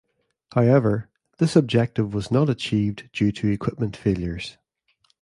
However, this objective was not achieved due to equipment failures.